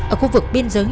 ở khu vực biên giới